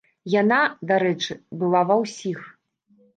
Яна, дарэчы, была ва ўсіх.